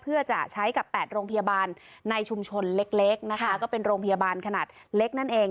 เพื่อจะใช้กับ๘โรงพยาบาลในชุมชนเล็กนะคะก็เป็นโรงพยาบาลขนาดเล็กนั่นเอง